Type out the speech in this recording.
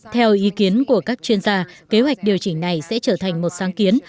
theo ý kiến của các chuyên gia kế hoạch điều chỉnh này sẽ trở thành một sáng kiến